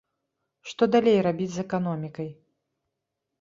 Што далей рабіць з эканомікай?